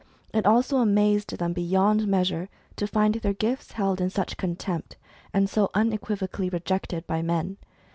It also amazed them beyond measure to find their gifts held in such contempt, and so unequivocally rejected by men.